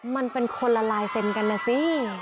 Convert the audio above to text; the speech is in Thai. มันเป็นคนละไลเซ็นกันนะสิ